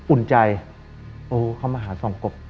อุ่นใจโอ้เขามาหาสองกบ